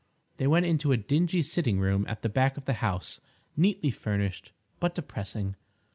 They went into a dingy sitting room at the back of the house, neatly furnished but depressing.